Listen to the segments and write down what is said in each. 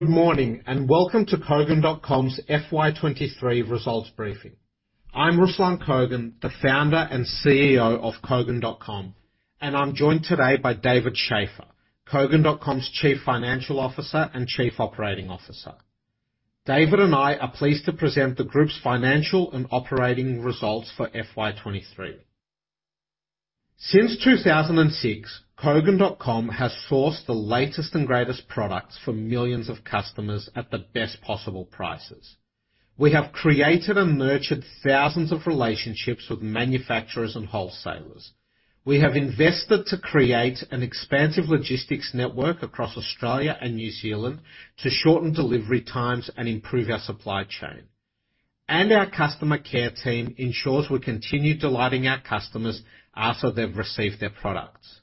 Good morning, and welcome to Kogan.com's FY23 results briefing. I'm Ruslan Kogan, the founder and CEO of Kogan.com, and I'm joined today by David Shafer, Kogan.com's Chief Financial Officer and Chief Operating Officer. David and I are pleased to present the group's financial and operating results for FY23. Since 2006, Kogan.com has sourced the latest and greatest products for millions of customers at the best possible prices. We have created and nurtured thousands of relationships with manufacturers and wholesalers. We have invested to create an expansive logistics network across Australia and New Zealand to shorten delivery times and improve our supply chain. Our customer care team ensures we continue delighting our customers after they've received their products.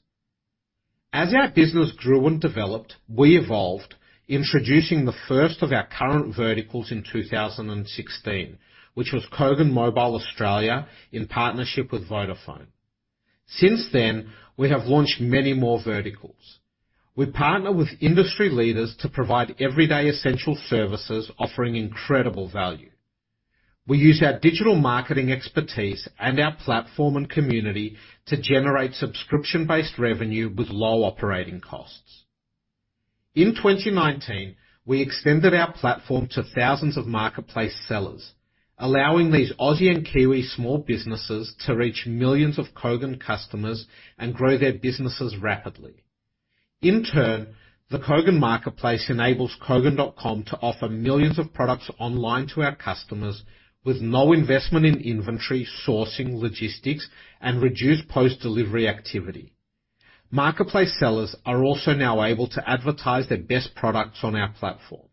As our business grew and developed, we evolved, introducing the first of our current verticals in 2016, which was Kogan Mobile Australia, in partnership with Vodafone. Since then, we have launched many more verticals. We partner with industry leaders to provide everyday essential services, offering incredible value. We use our digital marketing expertise and our platform and community to generate subscription-based revenue with low operating costs. In 2019, we extended our platform to thousands of Marketplace sellers, allowing these Aussie and Kiwi small businesses to reach millions of Kogan customers and grow their businesses rapidly. In turn, the Kogan Marketplace enables Kogan.com to offer millions of products online to our customers with no investment in inventory, sourcing, logistics, and reduced post-delivery activity. Marketplace sellers are also now able to advertise their best products on our platform.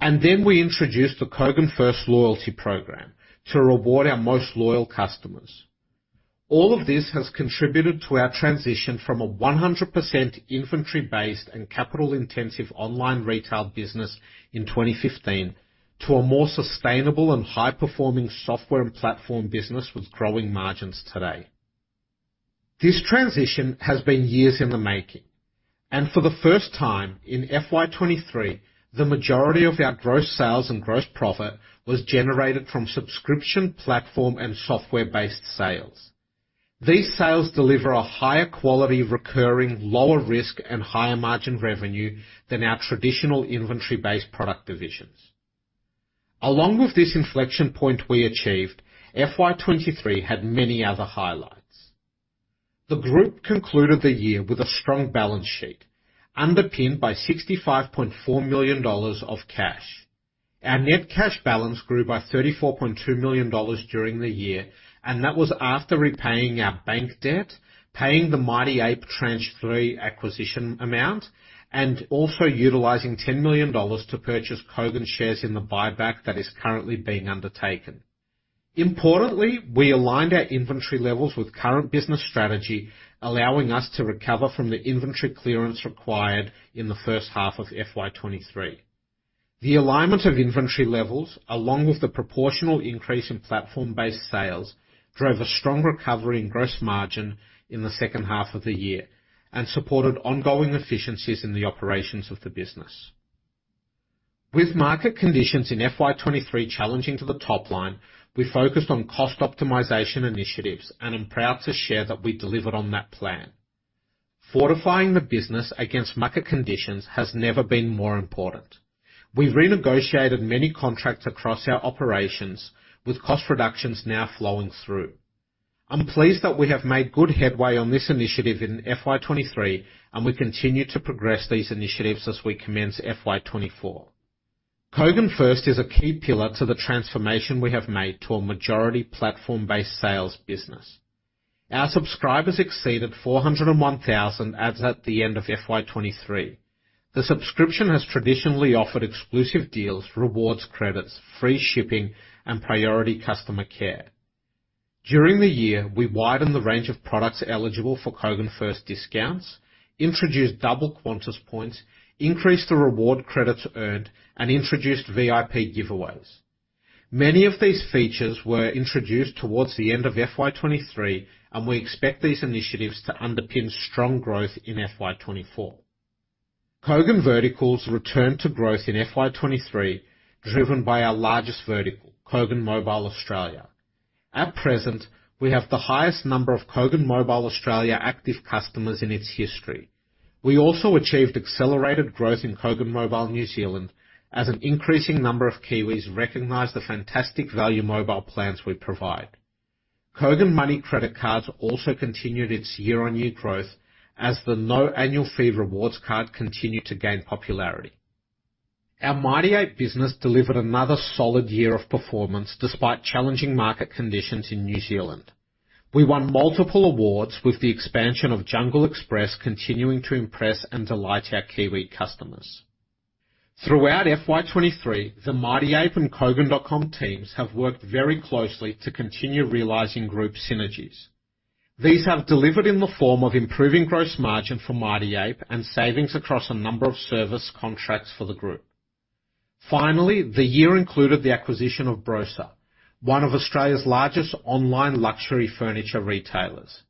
We introduced the Kogan First loyalty program to reward our most loyal customers. All of this has contributed to our transition from a 100% inventory-based and capital-intensive online retail business in 2015, to a more sustainable and high-performing software and platform business with growing margins today. This transition has been years in the making, and for the first time, in FY23, the majority of our gross sales and gross profit was generated from subscription, platform, and software-based sales. These sales deliver a higher quality, recurring, lower risk, and higher margin revenue than our traditional inventory-based product divisions. Along with this inflection point we achieved, FY23 had many other highlights. The group concluded the year with a strong balance sheet, underpinned by 65.4 million dollars of cash. Our net cash balance grew by 34.2 million dollars during the year, and that was after repaying our bank debt, paying the Mighty Ape Tranche 3 acquisition amount, and also utilizing 10 million dollars to purchase Kogan shares in the buyback that is currently being undertaken. Importantly, we aligned our inventory levels with current business strategy, allowing us to recover from the inventory clearance required in the first half of FY23. The alignment of inventory levels, along with the proportional increase in platform-based sales, drove a strong recovery in Gross Margin in the second half of the year and supported ongoing efficiencies in the operations of the business. With market conditions in FY23 challenging to the top line, we focused on cost optimization initiatives and I'm proud to share that we delivered on that plan. Fortifying the business against market conditions has never been more important. We've renegotiated many contracts across our operations, with cost reductions now flowing through. I'm pleased that we have made good headway on this initiative in FY23. We continue to progress these initiatives as we commence FY24. Kogan First is a key pillar to the transformation we have made to a majority platform-based sales business. Our subscribers exceeded 401,000 as at the end of FY23. The subscription has traditionally offered exclusive deals, rewards credits, free shipping, and priority customer care. During the year, we widened the range of products eligible for Kogan First discounts, introduced double Qantas points, increased the reward credits earned, and introduced VIP giveaways. Many of these features were introduced towards the end of FY23. We expect these initiatives to underpin strong growth in FY24. Kogan Verticals returned to growth in FY23, driven by our largest vertical, Kogan Mobile Australia. At present, we have the highest number of Kogan Mobile Australia active customers in its history. We also achieved accelerated growth in Kogan Mobile New Zealand, as an increasing number of Kiwis recognize the fantastic value mobile plans we provide. Kogan Money Credit Cards also continued its year-on-year growth as the low annual fee rewards card continued to gain popularity. Our Mighty Ape business delivered another solid year of performance, despite challenging market conditions in New Zealand. We won multiple awards, with the expansion of Jungle Express continuing to impress and delight our Kiwi customers. Throughout FY23, the Mighty Ape and Kogan.com teams have worked very closely to continue realizing group synergies. These have delivered in the form of improving Gross Margin for Mighty Ape and savings across a number of service contracts for the group. The year included the acquisition of Brosa, one of Australia's largest online luxury furniture retailers.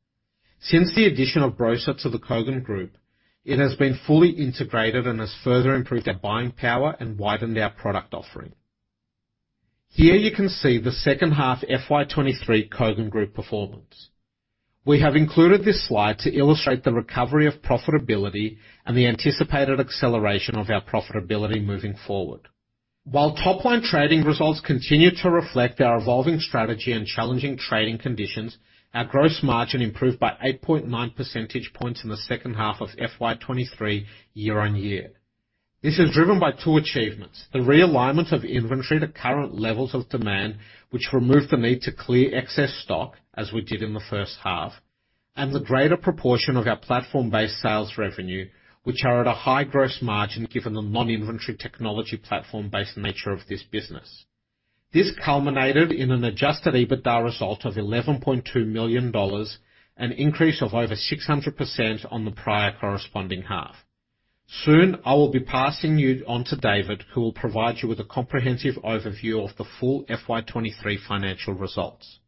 Since the addition of Brosa to the Kogan Group, it has been fully integrated and has further improved our buying power and widened our product offering. Here you can see the second half FY23 Kogan Group performance. We have included this slide to illustrate the recovery of profitability and the anticipated acceleration of our profitability moving forward. While top-line trading results continue to reflect our evolving strategy and challenging trading conditions, our Gross Margin improved by 8.9 percentage points in the second half of FY23 year-on-year. This is driven by two achievements: the realignment of inventory to current levels of demand, which removed the need to clear excess stock, as we did in the first half, and the greater proportion of our platform-based sales revenue, which are at a high Gross Margin, given the non-inventory technology platform-based nature of this business. This culminated in an Adjusted EBITDA result of AUD 11.2 million, an increase of over 600% on the prior corresponding half. Soon, I will be passing you on to David, who will provide you with a comprehensive overview of the full FY23 financial results.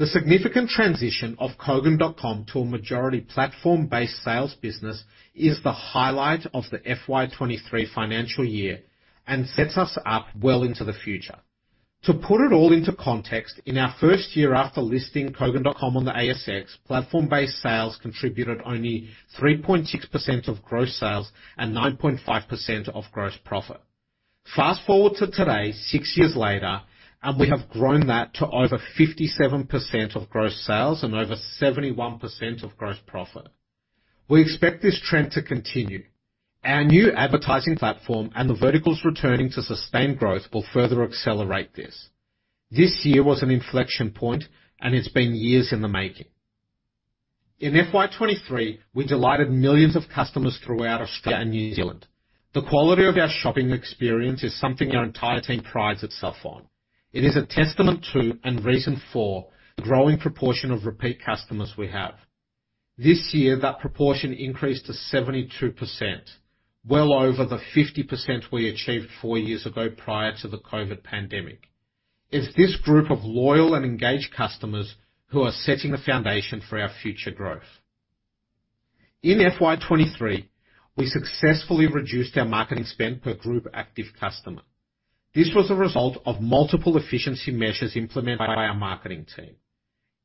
The significant transition of Kogan.com to a majority platform-based sales business is the highlight of the FY23 financial year and sets us up well into the future. To put it all into context, in our first year after listing Kogan.com on the ASX, platform-based sales contributed only 3.6% of gross sales and 9.5% of gross profit. Fast-forward to today, 6 years later, we have grown that to over 57% of gross sales and over 71% of gross profit. We expect this trend to continue. Our new advertising platform and the verticals returning to sustained growth will further accelerate this. This year was an inflection point, it's been years in the making. In FY23, we delighted millions of customers throughout Australia and New Zealand. The quality of our shopping experience is something our entire team prides itself on. It is a testament to, and reason for, the growing proportion of repeat customers we have. This year, that proportion increased to 72%, well over the 50% we achieved 4 years ago prior to the COVID pandemic. It's this group of loyal and engaged customers who are setting the foundation for our future growth. In FY23, we successfully reduced our marketing spend per group active customer. This was a result of multiple efficiency measures implemented by our marketing team.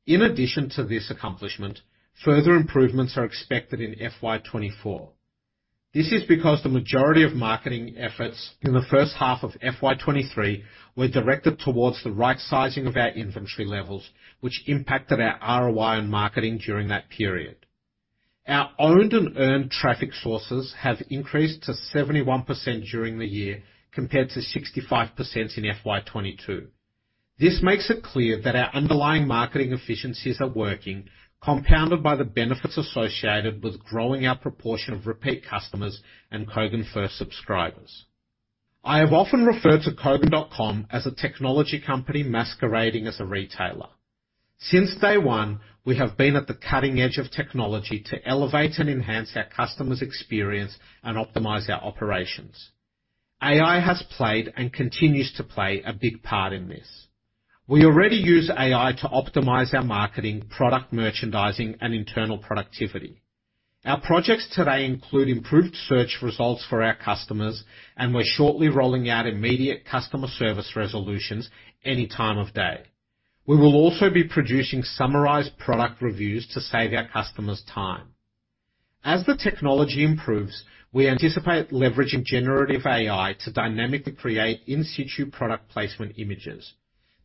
In addition to this accomplishment, further improvements are expected in FY24. This is because the majority of marketing efforts in the first half of FY23 were directed towards the right sizing of our inventory levels, which impacted our ROI on marketing during that period. Our owned and earned traffic sources have increased to 71% during the year, compared to 65% in FY22. This makes it clear that our underlying marketing efficiencies are working, compounded by the benefits associated with growing our proportion of repeat customers and Kogan First subscribers. I have often referred to Kogan.com as a technology company masquerading as a retailer. Since day one, we have been at the cutting edge of technology to elevate and enhance our customers' experience and optimize our operations. AI has played and continues to play a big part in this. We already use AI to optimize our marketing, product merchandising, and internal productivity. Our projects today include improved search results for our customers, and we're shortly rolling out immediate customer service resolutions any time of day. We will also be producing summarized product reviews to save our customers time. As the technology improves, we anticipate leveraging Generative AI to dynamically create in-situ product placement images.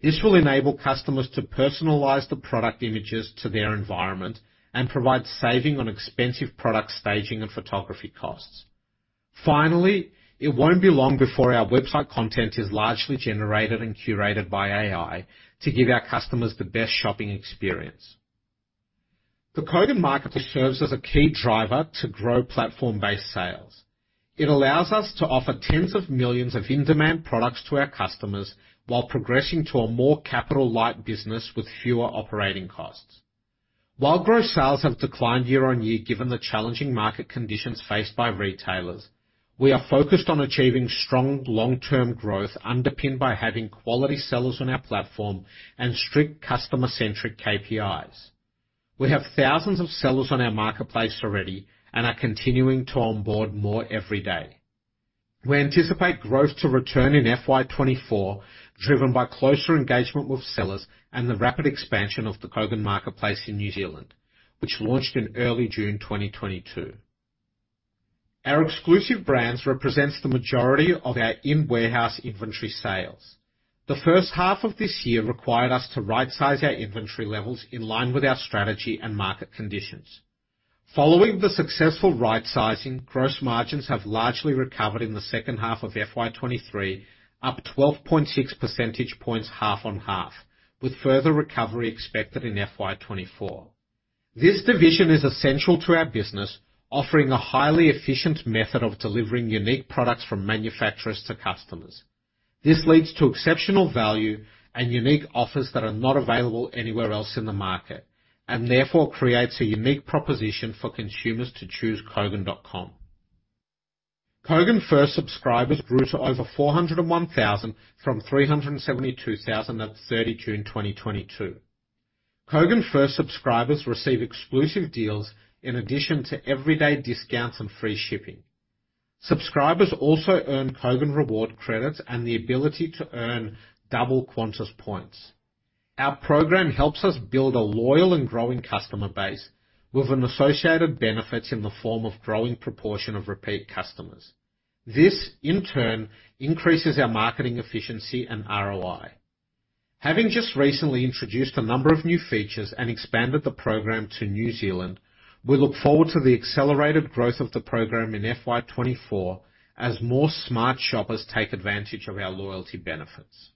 This will enable customers to personalize the product images to their environment and provide saving on expensive product staging and photography costs. Finally, it won't be long before our website content is largely generated and curated by AI to give our customers the best shopping experience. The Kogan Marketplace serves as a key driver to grow platform-based sales. It allows us to offer tens of millions of in-demand products to our customers, while progressing to a more capital-light business with fewer operating costs. While gross sales have declined year-on-year, given the challenging market conditions faced by retailers, we are focused on achieving strong long-term growth, underpinned by having quality sellers on our platform and strict customer-centric KPIs. We have thousands of sellers on our marketplace already and are continuing to onboard more every day. We anticipate growth to return in FY24, driven by closer engagement with sellers and the rapid expansion of the Kogan Marketplace in New Zealand, which launched in early June 2022. Our Exclusive Brands represents the majority of our in-warehouse inventory sales. The first half of this year required us to rightsize our inventory levels in line with our strategy and market conditions. Following the successful rightsizing, Gross Margins have largely recovered in the second half of FY23, up 12.6 percentage points, half-on-half, with further recovery expected in FY24. This division is essential to our business, offering a highly efficient method of delivering unique products from manufacturers to customers. This leads to exceptional value and unique offers that are not available anywhere else in the market, and therefore creates a unique proposition for consumers to choose Kogan.com. Kogan First subscribers grew to over 401,000 from 372,000 at 30 June, 2022. Kogan First subscribers receive exclusive deals in addition to everyday discounts and free shipping. Subscribers also earn Kogan reward credits and the ability to earn double Qantas points. Our program helps us build a loyal and growing customer base, with an associated benefits in the form of growing proportion of repeat customers. This, in turn, increases our marketing efficiency and ROI. Having just recently introduced a number of new features and expanded the program to New Zealand, we look forward to the accelerated growth of the program in FY24 as more smart shoppers take advantage of our loyalty benefits.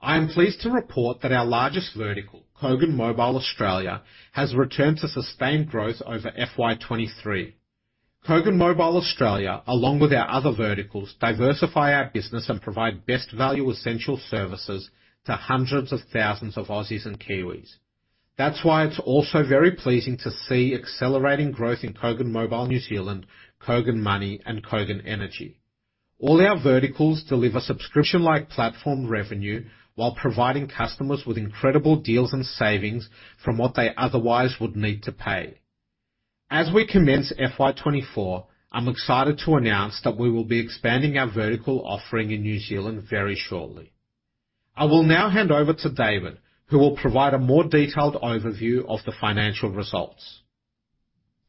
I am pleased to report that our largest vertical, Kogan Mobile Australia, has returned to sustained growth over FY23. Kogan Mobile Australia, along with our other verticals, diversify our business and provide best value essential services to hundreds of thousands of Aussies and Kiwis. That's why it's also very pleasing to see accelerating growth in Kogan Mobile New Zealand, Kogan Money, and Kogan Energy. All our verticals deliver subscription-like platform revenue, while providing customers with incredible deals and savings from what they otherwise would need to pay. As we commence FY24, I'm excited to announce that we will be expanding our vertical offering in New Zealand very shortly. I will now hand over to David, who will provide a more detailed overview of the financial results.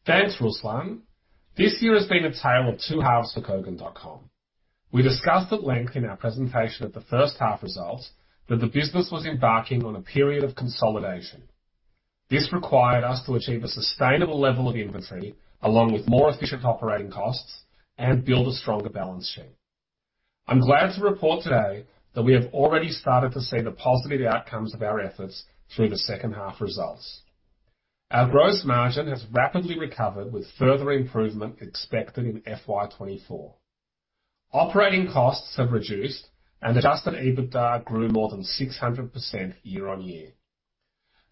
Thanks, Ruslan. This year has been a tale of 2 halves for Kogan.com. We discussed at length in our presentation at the 1st half results, that the business was embarking on a period of consolidation. This required us to achieve a sustainable level of inventory, along with more efficient operating costs, and build a stronger balance sheet. I'm glad to report today that we have already started to see the positive outcomes of our efforts through the 2nd half results. Our Gross Margin has rapidly recovered, with further improvement expected in FY24. Operating costs have reduced, Adjusted EBITDA grew more than 600% year-over-year.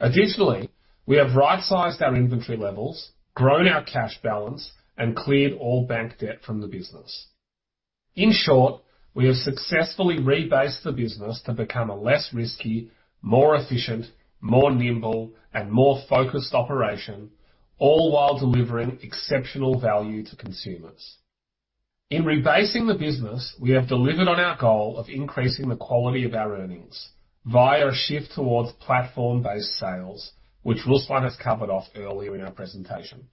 Additionally, we have right-sized our inventory levels, grown our cash balance, and cleared all bank debt from the business. In short, we have successfully rebased the business to become a less risky, more efficient, more nimble, and more focused operation, all while delivering exceptional value to consumers. In rebasing the business, we have delivered on our goal of increasing the quality of our earnings via a shift towards platform-based sales, which Ruslan has covered off earlier in our presentation.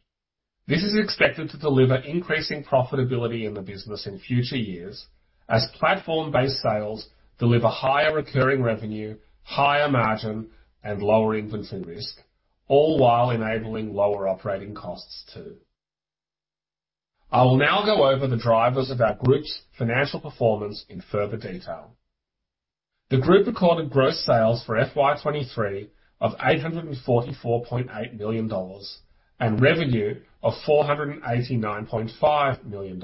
This is expected to deliver increasing profitability in the business in future years, as platform-based sales deliver higher recurring revenue, higher margin, and lower inventory risk, all while enabling lower operating costs, too. I will now go over the drivers of our group's financial performance in further detail. The group recorded gross sales for FY23 of AUD 844.8 million, and revenue of AUD 489.5 million.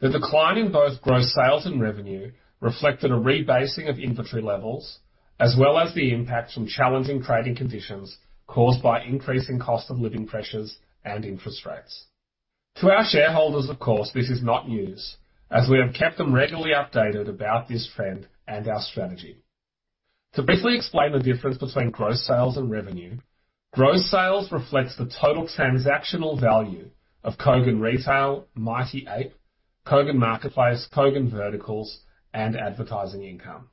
The decline in both gross sales and revenue reflected a rebasing of inventory levels, as well as the impact from challenging trading conditions caused by increasing cost of living pressures and interest rates. To our shareholders, of course, this is not news, as we have kept them regularly updated about this trend and our strategy. To briefly explain the difference between gross sales and revenue, gross sales reflects the total transactional value of Kogan Retail, Mighty Ape, Kogan Marketplace, Kogan Verticals, and advertising income.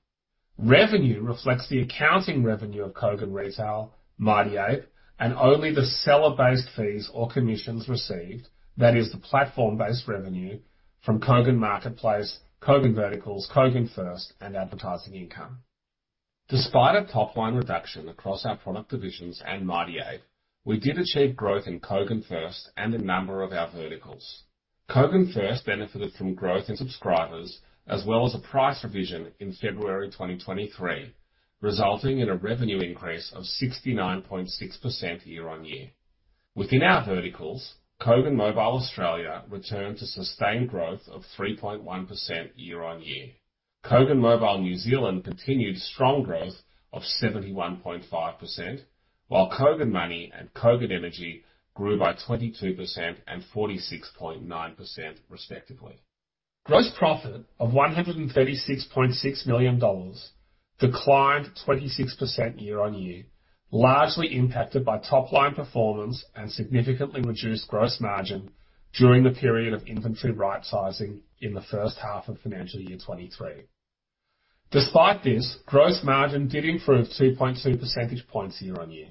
Revenue reflects the accounting revenue of Kogan Retail, Mighty Ape, and only the seller-based fees or commissions received, that is, the platform-based revenue from Kogan Marketplace, Kogan Verticals, Kogan First, and advertising income. Despite a top-line reduction across our product divisions and Mighty Ape, we did achieve growth in Kogan First and a number of our verticals. Kogan First benefited from growth in subscribers, as well as a price revision in February 2023, resulting in a revenue increase of 69.6% year-on-year. Within our verticals, Kogan Mobile Australia returned to sustained growth of 3.1% year-on-year. Kogan Mobile New Zealand continued strong growth of 71.5%, while Kogan Money and Kogan Energy grew by 22% and 46.9%, respectively. Gross profit of 136.6 million dollars declined 26% year-on-year, largely impacted by top-line performance and significantly reduced Gross Margin during the period of inventory right-sizing in the first half of financial year 2023. Despite this, Gross Margin did improve 2.2 percentage points year-on-year.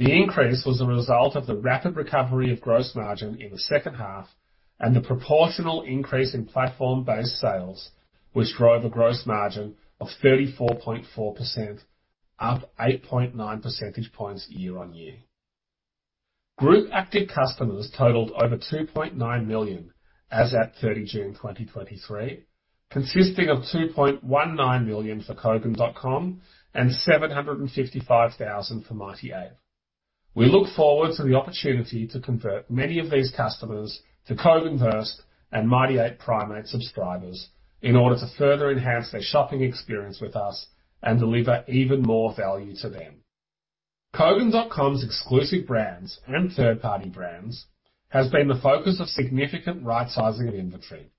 The increase was a result of the rapid recovery of Gross Margin in the second half and the proportional increase in platform-based sales, which drove a Gross Margin of 34.4%, up 8.9 percentage points year-on-year. Group active customers totaled over 2.9 million as at June 30, 2023, consisting of 2.19 million for Kogan.com and 755,000 for Mighty Ape. We look forward to the opportunity to convert many of these customers to Kogan First and Mighty Ape Primate subscribers in order to further enhance their shopping experience with us and deliver even more value to them. Kogan.com's Exclusive Brands and Third-Party Brands has been the focus of significant rightsizing of inventory.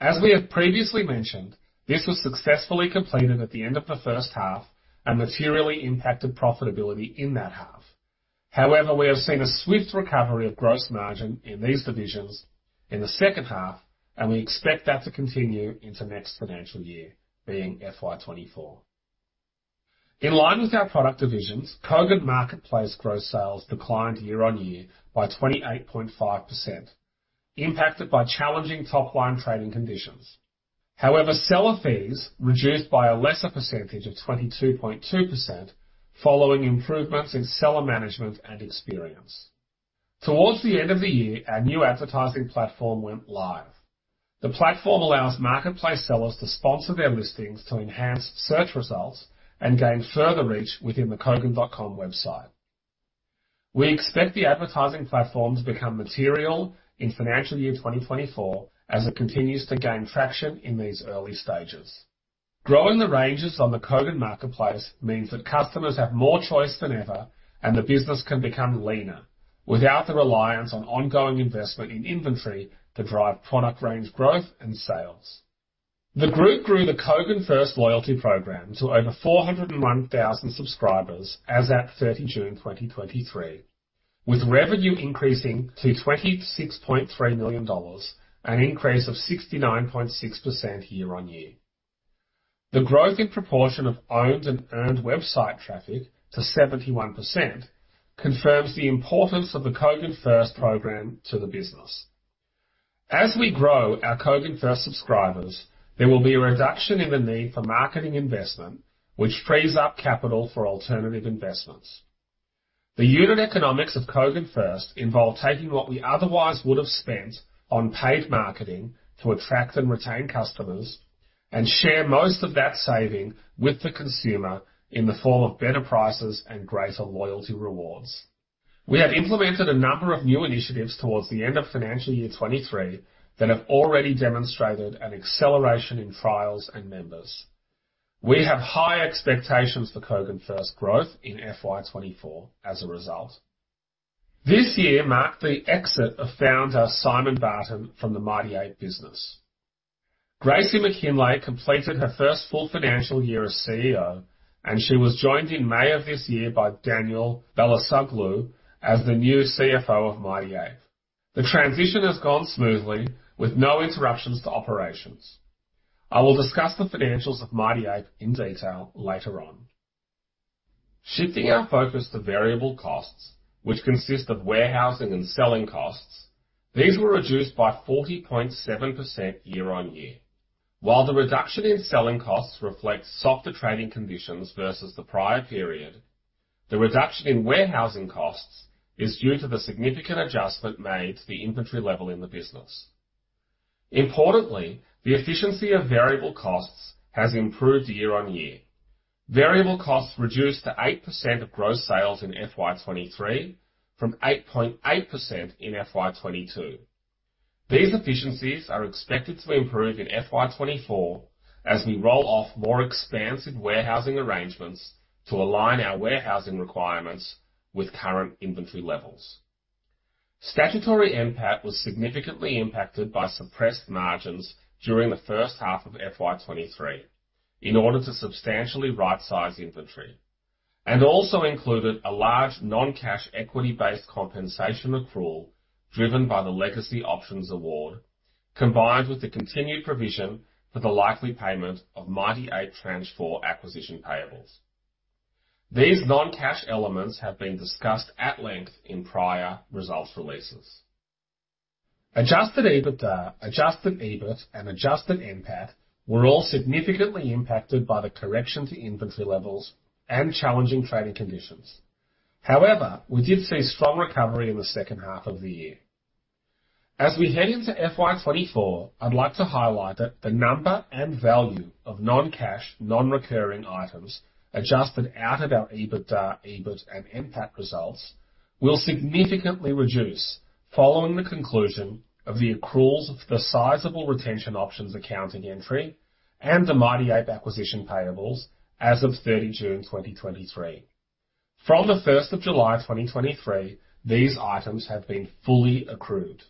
As we have previously mentioned, this was successfully completed at the end of the first half and materially impacted profitability in that half. However, we have seen a swift recovery of gross margin in these divisions in the second half, and we expect that to continue into next financial year, being FY24. In line with our product divisions, Kogan Marketplace gross sales declined year-on-year by 28.5%, impacted by challenging top-line trading conditions. However, seller fees reduced by a lesser percentage of 22.2%, following improvements in seller management and experience. Towards the end of the year, our new advertising platform went live. The platform allows marketplace sellers to sponsor their listings to enhance search results and gain further reach within the Kogan.com website. We expect the advertising platform to become material in financial year 2024, as it continues to gain traction in these early stages. Growing the ranges on the Kogan Marketplace means that customers have more choice than ever, and the business can become leaner without the reliance on ongoing investment in inventory to drive product range growth and sales. The group grew the Kogan First loyalty program to over 401,000 subscribers as at June 30, 2023, with revenue increasing to 26.3 million dollars, an increase of 69.6% year-on-year. The growth in proportion of owned and earned website traffic to 71% confirms the importance of the Kogan First program to the business. As we grow our Kogan First subscribers, there will be a reduction in the need for marketing investment, which frees up capital for alternative investments. The unit economics of Kogan First involve taking what we otherwise would have spent on paid marketing to attract and retain customers, and share most of that saving with the consumer in the form of better prices and greater loyalty rewards. We have implemented a number of new initiatives towards the end of FY23 that have already demonstrated an acceleration in trials and members. We have high expectations for Kogan First growth in FY24 as a result. This year marked the exit of founder Simon Barton from the Mighty Ape business. Gracie MacKinlay completed her first full financial year as CEO, and she was joined in May of this year by Daniel Balasoglou as the new CFO of Mighty Ape. The transition has gone smoothly, with no interruptions to operations. I will discuss the financials of Mighty Ape in detail later on. Shifting our focus to variable costs, which consist of warehousing and selling costs, these were reduced by 40.7% year-on-year. While the reduction in selling costs reflects softer trading conditions versus the prior period, the reduction in warehousing costs is due to the significant adjustment made to the inventory level in the business. Importantly, the efficiency of variable costs has improved year-on-year. Variable costs reduced to 8% of gross sales in FY23, from 8.8% in FY22. These efficiencies are expected to improve in FY24 as we roll off more expansive warehousing arrangements to align our warehousing requirements with current inventory levels. Statutory NPAT was significantly impacted by suppressed margins during the first half of FY23, in order to substantially rightsize inventory, and also included a large non-cash, equity-based compensation accrual driven by the legacy options award, combined with the continued provision for the likely payment of Mighty Ape Transform acquisition payables. These non-cash elements have been discussed at length in prior results releases. Adjusted EBITDA, adjusted EBIT, and adjusted NPAT were all significantly impacted by the correction to inventory levels and challenging trading conditions. We did see strong recovery in the second half of the year. As we head into FY24, I'd like to highlight that the number and value of non-cash, non-recurring items adjusted out of our EBITDA, EBIT, and NPAT results will significantly reduce following the conclusion of the accruals of the sizable retention options accounting entry and the Mighty Ape acquisition payables as of June 30, 2023. From July 1, 2023, these items have been fully accrued.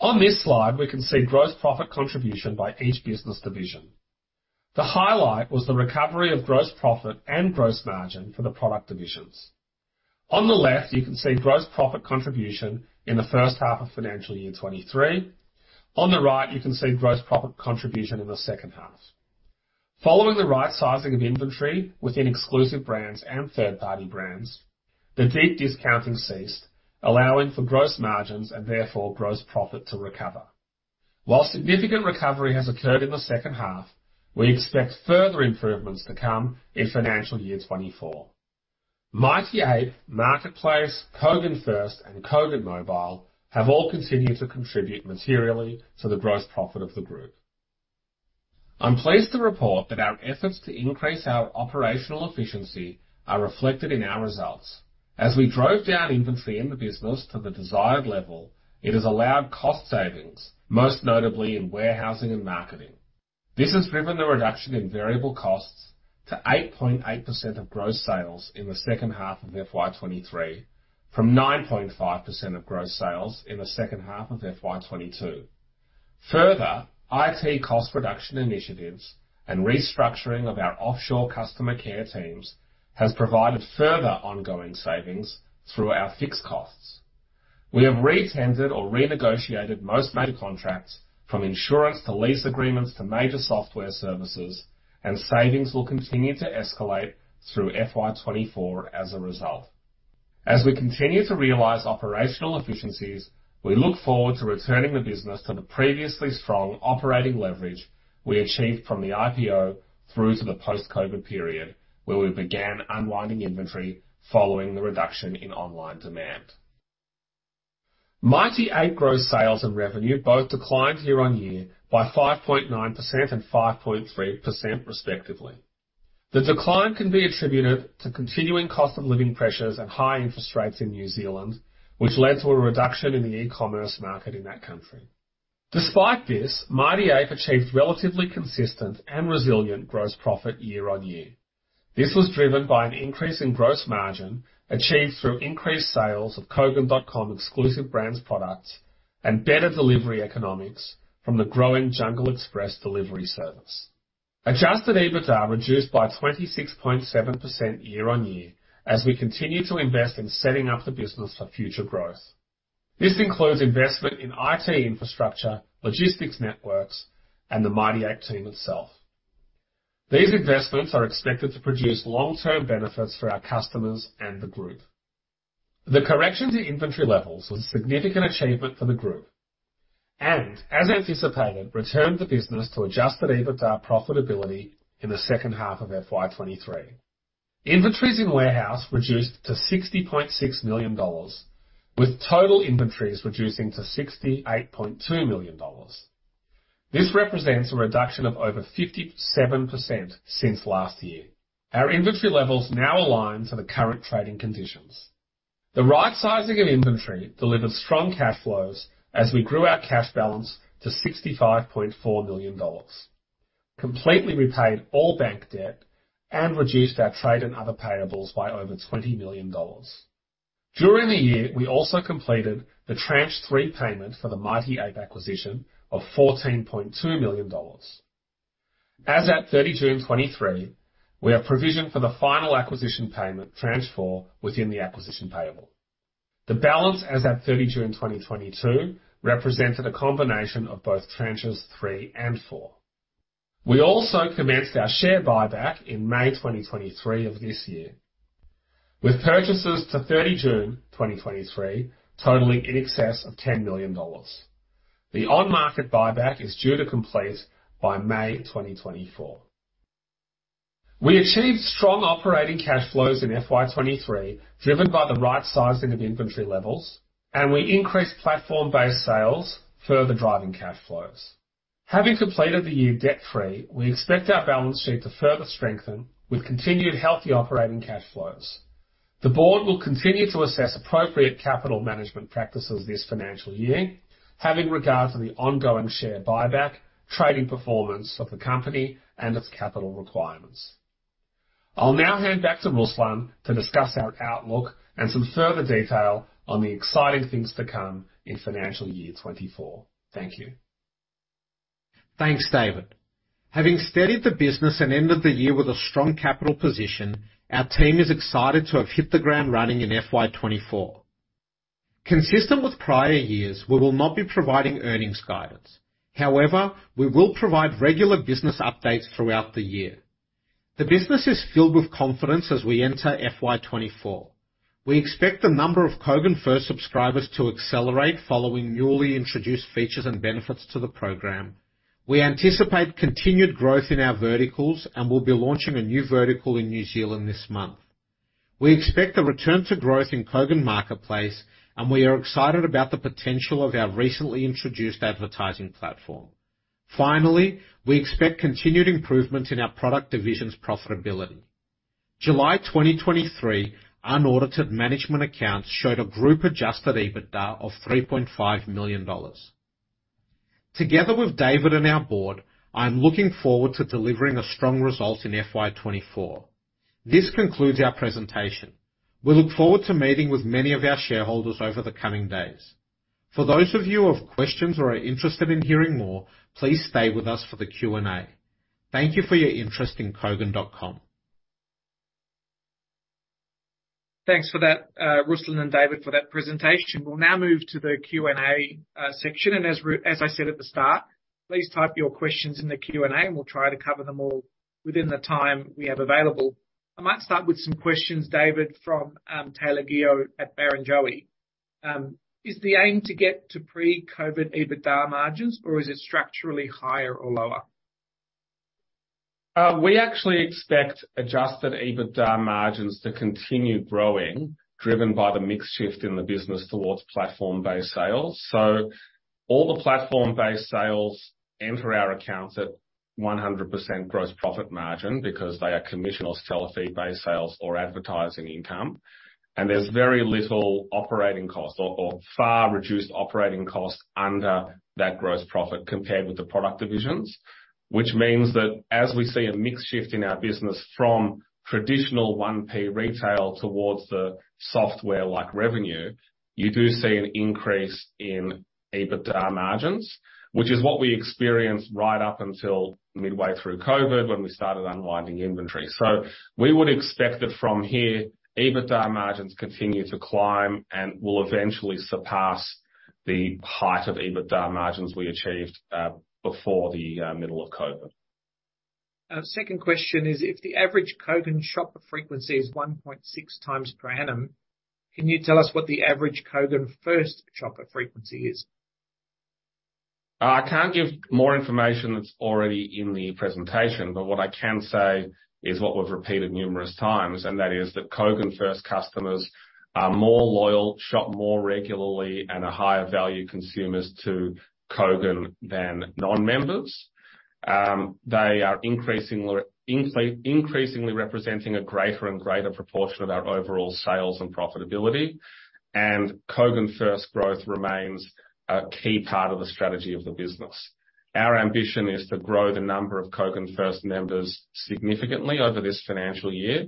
On this slide, we can see gross profit contribution by each business division. The highlight was the recovery of gross profit and gross margin for the product divisions. On the left, you can see gross profit contribution in the first half of FY23. On the right, you can see gross profit contribution in the second half. Following the right sizing of inventory within Exclusive Brands and Third-Party Brands, the deep discounting ceased, allowing for Gross Margins and therefore Gross Profit to recover. While significant recovery has occurred in the second half, we expect further improvements to come in FY24. Mighty Ape, Marketplace, Kogan First, and Kogan Mobile have all continued to contribute materially to the Gross Profit of the group. I'm pleased to report that our efforts to increase our operational efficiency are reflected in our results. As we drove down inventory in the business to the desired level, it has allowed cost savings, most notably in warehousing and marketing. This has driven the reduction in variable costs to 8.8% of gross sales in the second half of FY23, from 9.5% of gross sales in the second half of FY22. Further, IT cost reduction initiatives and restructuring of our offshore customer care teams has provided further ongoing savings through our fixed costs. We have retendered or renegotiated most major contracts, from insurance to lease agreements to major software services, and savings will continue to escalate through FY24 as a result. As we continue to realize operational efficiencies, we look forward to returning the business to the previously strong operating leverage we achieved from the IPO through to the post-COVID period, where we began unwinding inventory following the reduction in online demand. Mighty Ape gross sales and revenue both declined year-on-year by 5.9% and 5.3%, respectively. The decline can be attributed to continuing cost of living pressures and high interest rates in New Zealand, which led to a reduction in the e-commerce market in that country. Despite this, Mighty Ape achieved relatively consistent and resilient Gross Margin year-on-year. This was driven by an increase in Gross Margin, achieved through increased sales of Kogan.com Exclusive Brands, products, and better delivery economics from the growing Jungle Express delivery service. Adjusted EBITDA reduced by 26.7% year-on-year, as we continue to invest in setting up the business for future growth. This includes investment in IT infrastructure, logistics networks, and the Mighty Ape team itself. These investments are expected to produce long-term benefits for our customers and the group. The correction to inventory levels was a significant achievement for the group and, as anticipated, returned the business to Adjusted EBITDA profitability in the second half of FY23. Inventories in warehouse reduced to 60.6 million dollars, with total inventories reducing to 68.2 million dollars. This represents a reduction of over 57% since last year. Our inventory levels now align to the current trading conditions. The right sizing of inventory delivered strong cash flows as we grew our cash balance to 65.4 million dollars, completely repaid all bank debt, and reduced our trade and other payables by over 20 million dollars. During the year, we also completed the Tranche 3 payment for the Mighty Ape acquisition of 14.2 million dollars. As at 30 June 2023, we have provisioned for the final acquisition payment, Tranche 4, within the acquisition payable. The balance as at 30 June 2022, represented a combination of both Tranches 3 and 4. We also commenced our share buyback in May 2023 of this year, with purchases to 30 June 2023, totaling in excess of 10 million dollars. The on-market buyback is due to complete by May 2024. We achieved strong operating cash flows in FY23, driven by the right-sizing of inventory levels, we increased platform-based sales, further driving cash flows. Having completed the year debt-free, we expect our balance sheet to further strengthen with continued healthy operating cash flows. The board will continue to assess appropriate capital management practices this financial year, having regard to the ongoing share buyback, trading performance of the company, and its capital requirements. I'll now hand back to Ruslan to discuss our outlook and some further detail on the exciting things to come in financial year 2024. Thank you. Thanks, David. Having steadied the business and ended the year with a strong capital position, our team is excited to have hit the ground running in FY24. Consistent with prior years, we will not be providing earnings guidance. However, we will provide regular business updates throughout the year. The business is filled with confidence as we enter FY24. We expect the number of Kogan First subscribers to accelerate, following newly introduced features and benefits to the program. We anticipate continued growth in our verticals and will be launching a new vertical in New Zealand this month. We expect a return to growth in Kogan Marketplace, and we are excited about the potential of our recently introduced advertising platform. Finally, we expect continued improvement in our product division's profitability. July 2023, unaudited management accounts showed a group-Adjusted EBITDA of 3.5 million dollars. Together with David and our board, I am looking forward to delivering a strong result in FY 2024. This concludes our presentation. We look forward to meeting with many of our shareholders over the coming days. For those of you who have questions or are interested in hearing more, please stay with us for the Q&A. Thank you for your interest in Kogan.com. Thanks for that, Ruslan and David, for that presentation. We'll now move to the Q&A section. As I said at the start, please type your questions in the Q&A, and we'll try to cover them all within the time we have available. I might start with some questions, David, from Taylor Guyot at Barrenjoey. Is the aim to get to pre-COVID EBITDA margins, or is it structurally higher or lower? We actually expect adjusted EBITDA margins to continue growing, driven by the mix shift in the business towards platform-based sales. All the platform-based sales enter our accounts at 100% gross profit margin, because they are commission or seller fee-based sales or advertising income. There's very little operating costs or, or far reduced operating costs under that gross profit compared with the product divisions. Means that as we see a mix shift in our business from traditional 1P retail towards the software-like revenue, you do see an increase in EBITDA margins. Is what we experienced right up until midway through COVID, when we started unwinding inventory. We would expect that from here, EBITDA margins continue to climb and will eventually surpass the height of EBITDA margins we achieved, before the middle of COVID. Second question is, if the average Kogan shopper frequency is 1.6 times per annum, can you tell us what the average Kogan First shopper frequency is? I can't give more information that's already in the presentation, but what I can say is what we've repeated numerous times, and that is that Kogan First customers are more loyal, shop more regularly, and are higher value consumers to Kogan than non-members. They are increasingly, increasingly representing a greater and greater proportion of our overall sales and profitability, and Kogan First growth remains a key part of the strategy of the business. Our ambition is to grow the number of Kogan First members significantly over this financial year,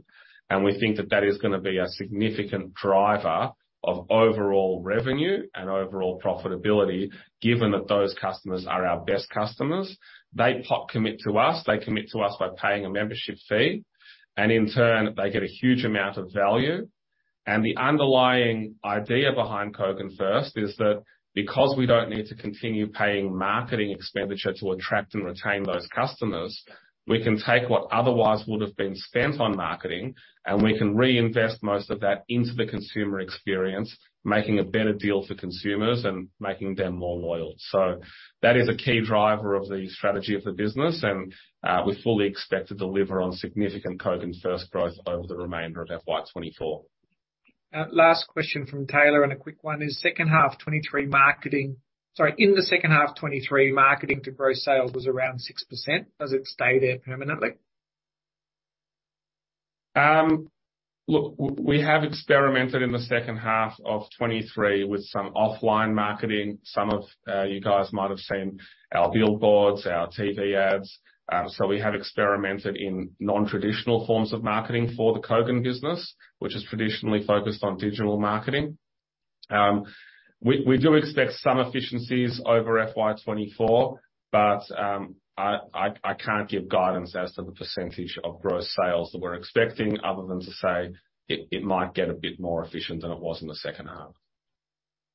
and we think that that is gonna be a significant driver of overall revenue and overall profitability, given that those customers are our best customers. They commit to us, they commit to us by paying a membership fee, and in turn, they get a huge amount of value. The underlying idea behind Kogan First, is that because we don't need to continue paying marketing expenditure to attract and retain those customers, we can take what otherwise would have been spent on marketing, and we can reinvest most of that into the consumer experience, making a better deal for consumers and making them more loyal. That is a key driver of the strategy of the business, and we fully expect to deliver on significant Kogan First growth over the remainder of FY24. Last question from Taylor, a quick one: sorry, in the second half of 23, marketing to gross sales was around 6%. Does it stay there permanently? Look, we have experimented in the second half of 2023 with some offline marketing. Some of you guys might have seen our billboards, our TV ads. We have experimented in non-traditional forms of marketing for the Kogan business, which is traditionally focused on digital marketing. We do expect some efficiencies over FY24, but I can't give guidance as to the % of gross sales that we're expecting, other than to say it, it might get a bit more efficient than it was in the second half.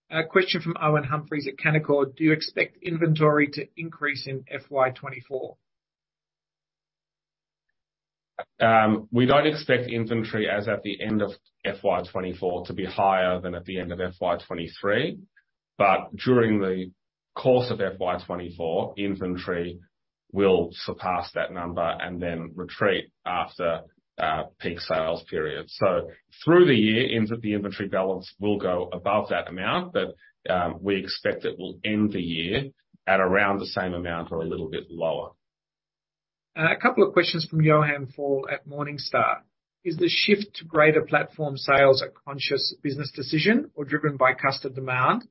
A question from Owen Humphries at Canaccord: Do you expect inventory to increase in FY24? We don't expect inventory as at the end of FY24 to be higher than at the end of FY23. During the course of FY24, inventory will surpass that number and then retreat after peak sales period. Through the year, ends of the inventory balance will go above that amount, but we expect it will end the year at around the same amount or a little bit lower. A couple of questions from Johannes Faul at Morningstar: Is the shift to greater platform sales a conscious business decision or driven by customer demand?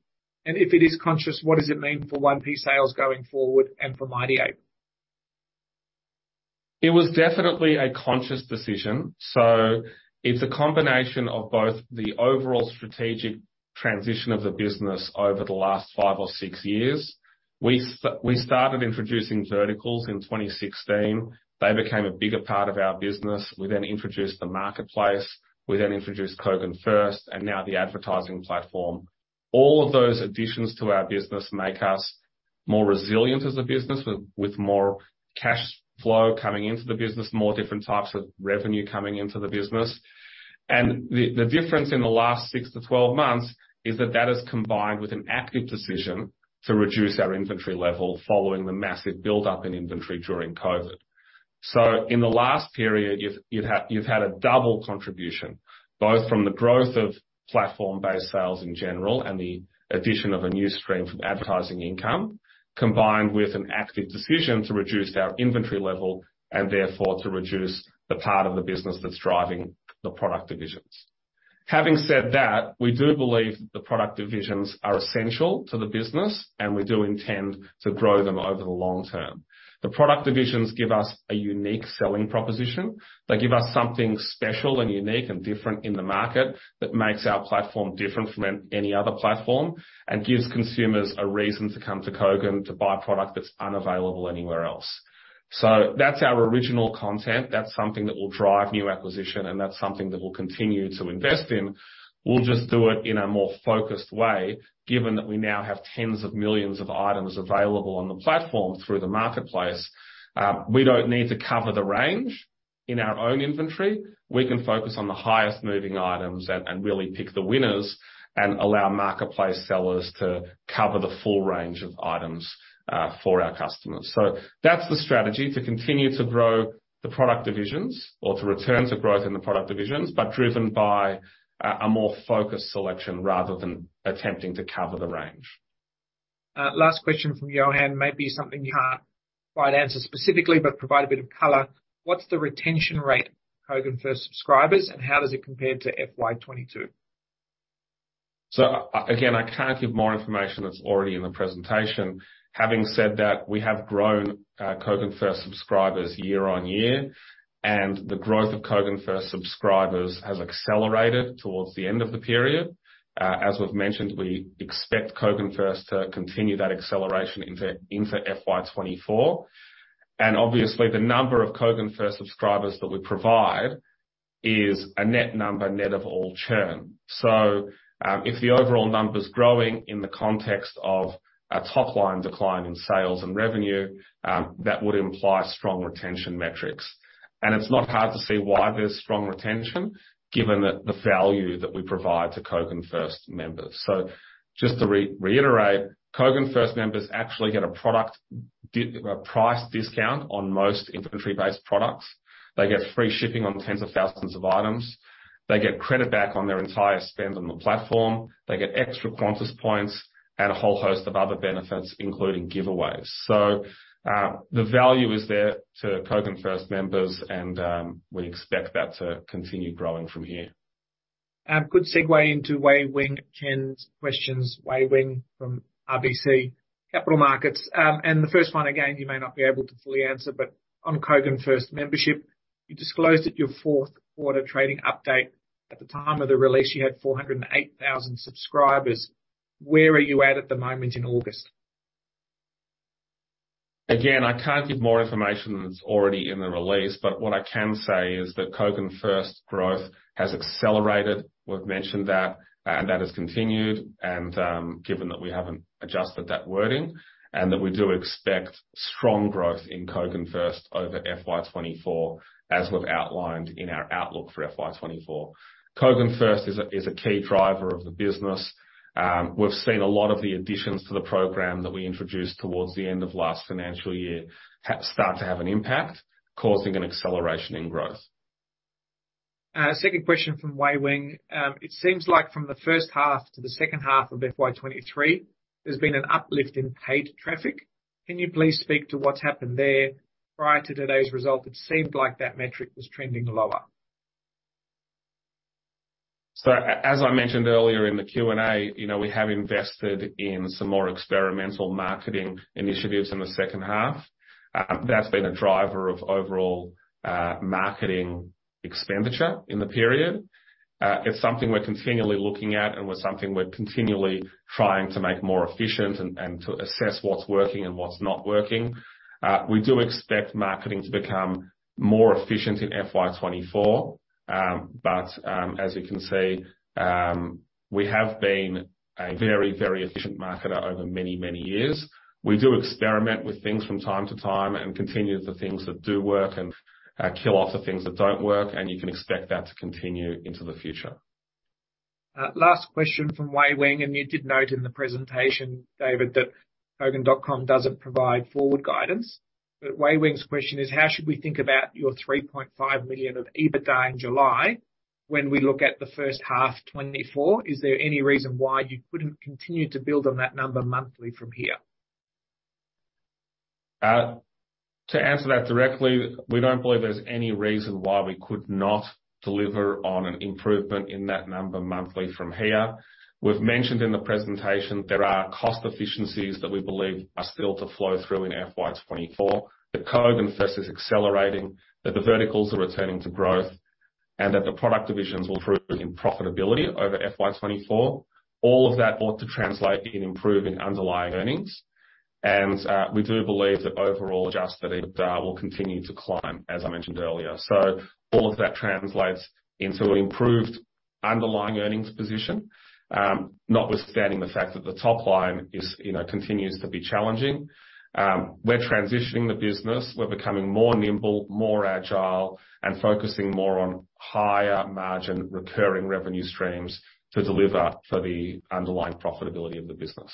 If it is conscious, what does it mean for 1P sales going forward and for Mighty Ape? It was definitely a conscious decision. It's a combination of both the overall strategic transition of the business over the last five or six years. We started introducing verticals in 2016. They became a bigger part of our business. We then introduced the marketplace, we then introduced Kogan First, and now the advertising platform. All of those additions to our business make us more resilient as a business, with more cash flow coming into the business, more different types of revenue coming into the business. The difference in the last six to 12 months, is that that is combined with an active decision to reduce our inventory level, following the massive buildup in inventory during COVID. In the last period, you've had a double contribution, both from the growth of platform-based sales in general and the addition of a new stream from advertising income, combined with an active decision to reduce our inventory level, and therefore to reduce the part of the business that's driving the product divisions. Having said that, we do believe the product divisions are essential to the business, and we do intend to grow them over the long term. The product divisions give us a unique selling proposition. They give us something special, and unique, and different in the market that makes our platform different from any other platform, and gives consumers a reason to come to Kogan to buy product that's unavailable anywhere else. That's our original content. That's something that will drive new acquisition, and that's something that we'll continue to invest in. We'll just do it in a more focused way, given that we now have tens of millions of items available on the platform through the marketplace. We don't need to cover the range in our own inventory, we can focus on the highest moving items and really pick the winners, and allow marketplace sellers to cover the full range of items for our customers. That's the strategy, to continue to grow the product divisions or to return to growth in the product divisions, but driven by a more focused selection rather than attempting to cover the range. Last question from Johan. Maybe something you can't quite answer specifically, but provide a bit of color. What's the retention rate Kogan First subscribers, and how does it compare to FY22? Again, I can't give more information that's already in the presentation. Having said that, we have grown Kogan First subscribers year-over-year, and the growth of Kogan First subscribers has accelerated towards the end of the period. As we've mentioned, we expect Kogan First to continue that acceleration into FY24. Obviously, the number of Kogan First subscribers that we provide is a net number, net of all churn. If the overall number's growing in the context of a top line decline in sales and revenue, that would imply strong retention metrics. It's not hard to see why there's strong retention, given the value that we provide to Kogan First members. Just to reiterate, Kogan First members actually get a price discount on most inventory-based products. They get free shipping on tens of thousands of items. They get credit back on their entire spend on the platform. They get extra Qantas points and a whole host of other benefits, including giveaways. The value is there to Kogan First members, and we expect that to continue growing from here. Good segue into Wei-Weng Chen's questions. Wei-Weng from RBC Capital Markets. The first one, again, you may not be able to fully answer, but on Kogan First membership, you disclosed at your fourth quarter trading update. At the time of the release, you had 408,000 subscribers. Where are you at at the moment in August? Again, I can't give more information that's already in the release, but what I can say is that Kogan First growth has accelerated. We've mentioned that, and that has continued, and, given that we haven't adjusted that wording, and that we do expect strong growth in Kogan First over FY24, as we've outlined in our outlook for FY24. Kogan First is a, is a key driver of the business. We've seen a lot of the additions to the program that we introduced towards the end of last financial year, start to have an impact, causing an acceleration in growth. Second question from Wei-Weng Chen. It seems like from the 1st half to the 2nd half of FY23, there's been an uplift in paid traffic. Can you please speak to what's happened there? Prior to today's result, it seemed like that metric was trending lower. As I mentioned earlier in the Q&A, you know, we have invested in some more experimental marketing initiatives in the second half. That's been a driver of overall marketing expenditure in the period. It's something we're continually looking at and was something we're continually trying to make more efficient and, and to assess what's working and what's not working. We do expect marketing to become more efficient in FY24. As you can see, we have been a very, very efficient marketer over many, many years. We do experiment with things from time to time and continue the things that do work and kill off the things that don't work, and you can expect that to continue into the future. Last question from Wei Wing, you did note in the presentation, David, that Kogan.com doesn't provide forward guidance. Wei Wing's question is: How should we think about your 3.5 million of EBITDA in July when we look at the first half 2024? Is there any reason why you couldn't continue to build on that number monthly from here? To answer that directly, we don't believe there's any reason why we could not deliver on an improvement in that number monthly from here. We've mentioned in the presentation there are cost efficiencies that we believe are still to flow through in FY24, that Kogan First is accelerating, that the Verticals are returning to growth, and that the product divisions will improve in profitability over FY24. All of that ought to translate in improving underlying earnings. We do believe that overall Adjusted EBITDA will continue to climb, as I mentioned earlier. All of that translates into improved underlying earnings position, notwithstanding the fact that the top line is, you know, continues to be challenging. We're transitioning the business. We're becoming more nimble, more agile, and focusing more on higher margin recurring revenue streams to deliver for the underlying profitability of the business.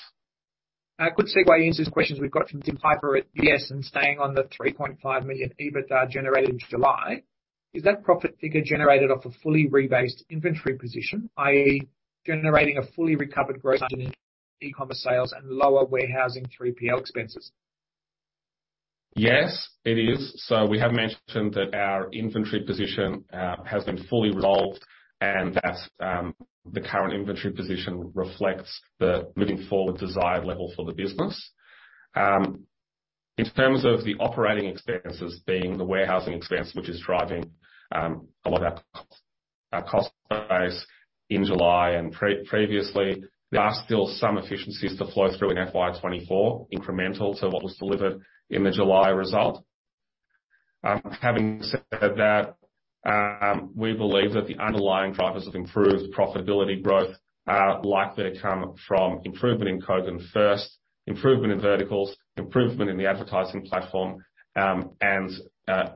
Quick segue into these questions we've got from Tim Piper at UBS. Staying on the 3.5 million EBITDA generated in July. Is that profit figure generated off a fully rebased inventory position, i.e., generating a fully recovered gross in e-commerce sales and lower warehousing 3PL expenses? Yes, it is. We have mentioned that our inventory position has been fully resolved, and that the current inventory position reflects the moving forward desired level for the business. In terms of the operating expenses being the warehousing expense, which is driving a lot of our, our cost base in July and pre-previously, there are still some efficiencies to flow through in FY24, incremental to what was delivered in the July result. Having said that. We believe that the underlying drivers of improved profitability growth are likely to come from improvement in Kogan First, improvement in Kogan Verticals, improvement in the advertising platform, and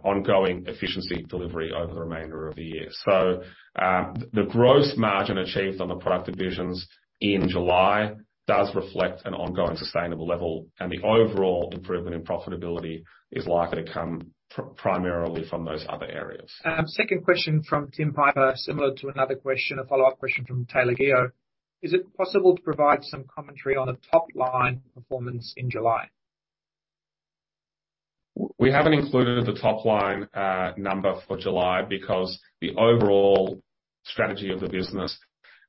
ongoing efficiency delivery over the remainder of the year. The gross margin achieved on the product divisions in July does reflect an ongoing sustainable level, and the overall improvement in profitability is likely to come primarily from those other areas. Second question from Tim Piper, similar to another question, a follow-up question from Taylor Guio. Is it possible to provide some commentary on the top-line performance in July? We haven't included the top-line number for July, because the overall strategy of the business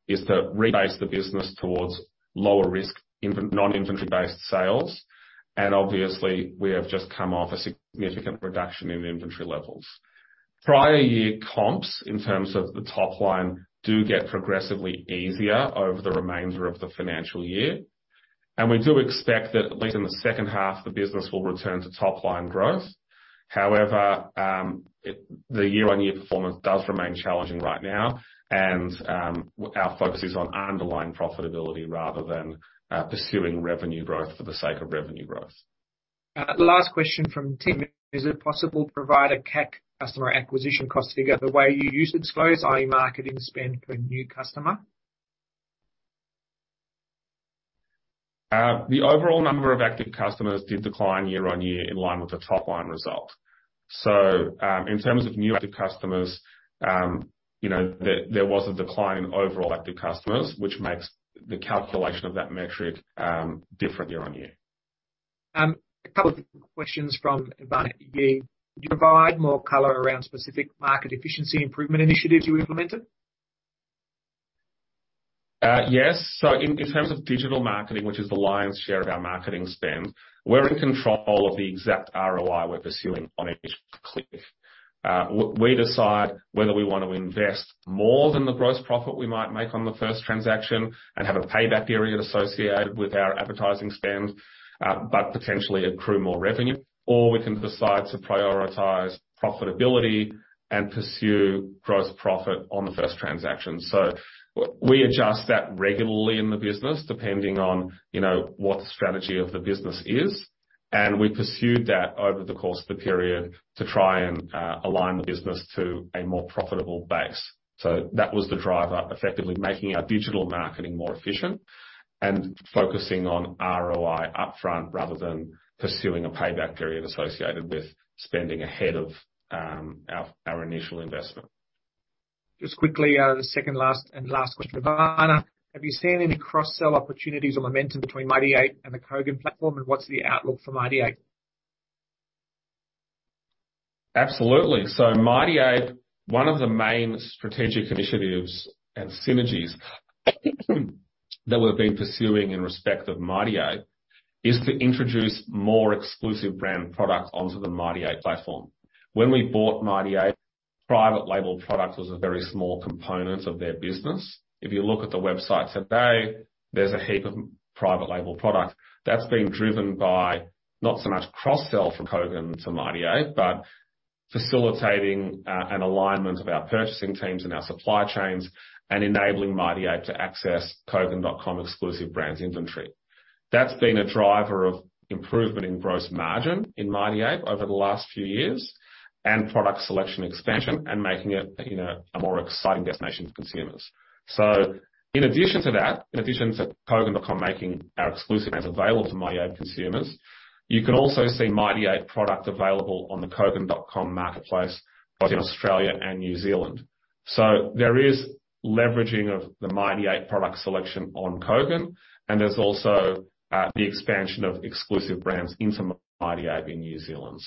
is to rebase the business towards lower risk non-inventory based sales. Obviously, we have just come off a significant reduction in inventory levels. Prior year comps, in terms of the top-line, do get progressively easier over the remainder of the financial year. We do expect that, at least in the second half, the business will return to top-line growth. However, - the year-on-year performance does remain challenging right now, and our focus is on underlying profitability rather than pursuing revenue growth for the sake of revenue growth. The last question from Tim: Is it possible to provide a CAC, customer acquisition cost, figure the way you use disclose, i.e., marketing spend per new customer? The overall number of active customers did decline year-on-year in line with the top-line result. In terms of new active customers, you know, there, there was a decline in overall active customers, which makes the calculation of that metric, different year-on-year. A couple of questions from Barney. Can you provide more color around specific market efficiency improvement initiatives you implemented? Yes. In, in terms of digital marketing, which is the lion's share of our marketing spend, we're in control of the exact ROI we're pursuing on each click. We decide whether we want to invest more than the gross profit we might make on the first transaction and have a payback period associated with our advertising spend, but potentially accrue more revenue. We can decide to prioritize profitability and pursue gross profit on the first transaction. We adjust that regularly in the business, depending on, you know, what the strategy of the business is. We pursued that over the course of the period to try and align the business to a more profitable base. That was the driver, effectively making our digital marketing more efficient and focusing on ROI upfront, rather than pursuing a payback period associated with spending ahead of, our, our initial investment. Just quickly, the second last and last question, Ivana: Have you seen any cross-sell opportunities or momentum between Mighty Ape and the Kogan platform, and what's the outlook for Mighty Ape? Absolutely. Mighty Ape, one of the main strategic initiatives and synergies that we've been pursuing in respect of Mighty Ape, is to introduce more Exclusive Brands products onto the Mighty Ape platform. When we bought Mighty Ape, private label product was a very small component of their business. If you look at the website today, there's a heap of private label product that's been driven by, not so much cross-sell from Kogan to Mighty Ape, but facilitating an alignment of our purchasing teams and our supply chains, and enabling Mighty Ape to access Kogan.com Exclusive Brands inventory. That's been a driver of improvement in gross margin in Mighty Ape over the last few years, and product selection expansion, and making it, you know, a more exciting destination for consumers. In addition to that, in addition to Kogan.com making our Exclusive Brands available to Mighty Ape consumers, you can also see Mighty Ape products available on the Kogan.com Marketplace. Both in Australia and New Zealand. There is leveraging of the Mighty Ape product selection on Kogan, and there's also the expansion of Exclusive Brands into Mighty Ape in New Zealand.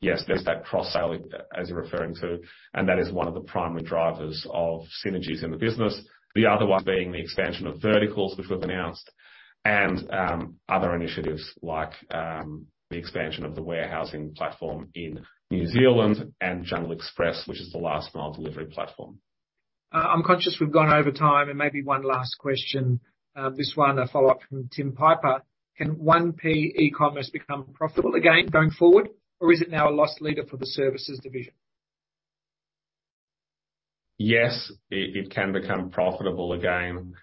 Yes, there's that cross-sale, as you're referring to, and that is one of the primary drivers of synergies in the business. The other one being the expansion of verticals, which we've announced, and other initiatives like the expansion of the warehousing platform in New Zealand, and Jungle Express, which is the last mile delivery platform. I'm conscious we've gone over time, and maybe one last question. This one, a follow-up from Tim Piper: Can 1P eCommerce become profitable again going forward, or is it now a loss leader for the services division? Yes, it, it can become profitable again.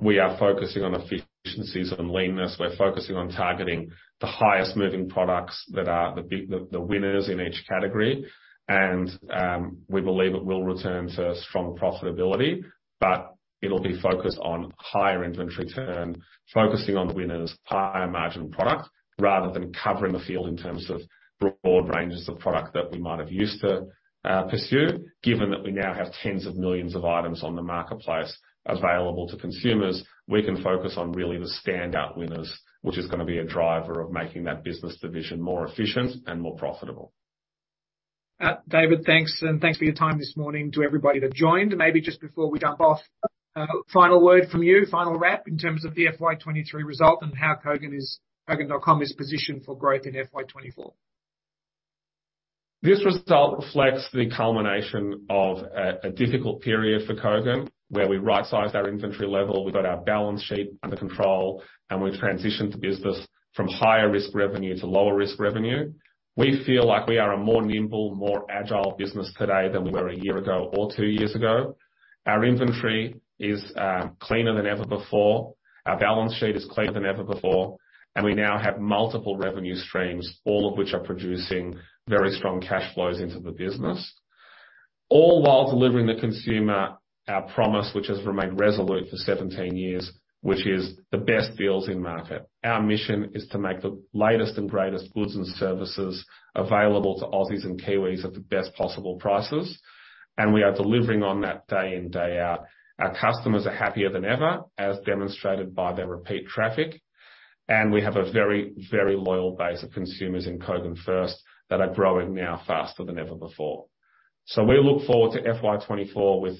We are focusing on efficiencies and leanness. We're focusing on targeting the highest moving products that are the winners in each category. We believe it will return to strong profitability, but it'll be focused on higher inventory turn, focusing on the winners, higher margin products, rather than covering the field in terms of broad ranges of product that we might have used to pursue. Given that we now have tens of millions of items on the marketplace available to consumers, we can focus on really the standout winners, which is gonna be a driver of making that business division more efficient and more profitable. David, thanks, and thanks for your time this morning to everybody that joined. Maybe just before we jump off, final word from you, final wrap in terms of the FY23 result and how Kogan.com is positioned for growth in FY24. This result reflects the culmination of a difficult period for Kogan, where we rightsized our inventory level, we got our balance sheet under control, and we transitioned the business from higher risk revenue to lower risk revenue. We feel like we are a more nimble, more agile business today than we were a year ago or 2 years ago. Our inventory is cleaner than ever before. Our balance sheet is cleaner than ever before. We now have multiple revenue streams, all of which are producing very strong cash flows into the business. All while delivering the consumer our promise, which has remained resolute for 17 years, which is the best deals in market. Our mission is to make the latest and greatest goods and services available to Aussies and Kiwis at the best possible prices, and we are delivering on that day in, day out. Our customers are happier than ever, as demonstrated by their repeat traffic, We have a very, very loyal base of consumers in Kogan First, that are growing now faster than ever before. We look forward to FY24 with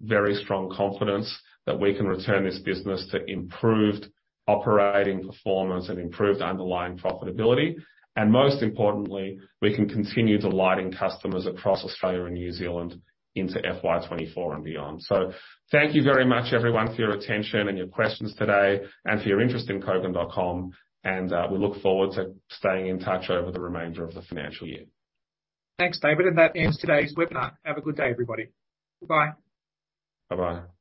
very strong confidence that we can return this business to improved operating performance and improved underlying profitability. Most importantly, we can continue delighting customers across Australia and New Zealand into FY24 and beyond. Thank you very much, everyone, for your attention and your questions today, and for your interest in Kogan.com. We look forward to staying in touch over the remainder of the financial year. Thanks, David, and that ends today's webinar. Have a good day, everybody. Bye. Bye-bye.